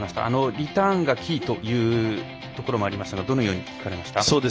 リターンがキーというところもありましたがどのように聞かれました？